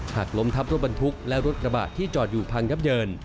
หักลมทัพรบันทุกข์และรถกระบาดที่จอดอยู่พังยับเยิน